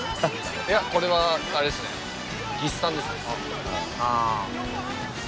いやこれはあれですねギシさんですね。